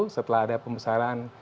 setelah ada pembesaran